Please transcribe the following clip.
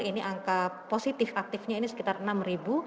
ini angka positif aktifnya ini sekitar enam ribu